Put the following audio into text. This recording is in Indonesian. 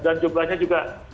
dan jumlahnya juga